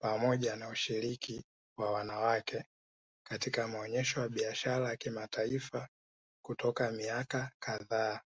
Pamoja na ushiriki wa wanawake katika maonesho ya Biashara ya kimataifa kutoka miaka kadhaa